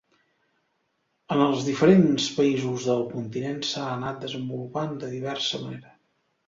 En els diferents països del continent s'ha anat desenvolupant de diversa manera.